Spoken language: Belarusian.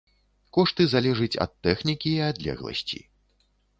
Кошты залежыць ад тэхнікі і адлегласці.